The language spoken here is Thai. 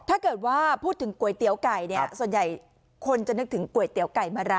ถ้าเกิดว่าพูดถึงก๋วยเตี๋ยวไก่เนี่ยส่วนใหญ่คนจะนึกถึงก๋วยเตี๋ยวไก่มะระ